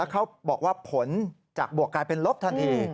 เขาบอกว่าผลจากบวกกลายเป็นลบทันที